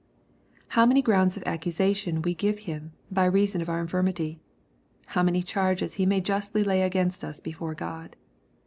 How many groonds of accusation we give him, by reason of our infirmity ! How many charges he may justly lay against us before God